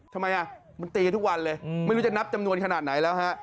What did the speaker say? ทำไมอ่ะมันตีกันทุกวันเลยไม่รู้จะนับจำนวนขนาดไหนแล้วฮะ